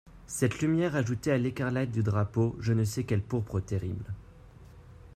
Cette lumière ajoutait à l'écarlate du drapeau je ne sais quelle pourpre terrible.